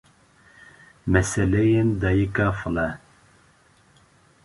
meseleyên Dayika File